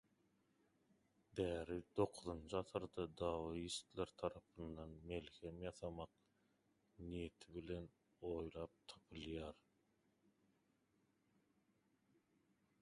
Däri dokuzynjy asyrda Daoistler tarapyndan melhem ýasamak niýeti bilen oýlap tapylýar.